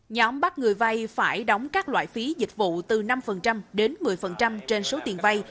nhóm bắt người vay phải đóng các loại phí dịch vụ từ năm đến một mươi trên số tiền vay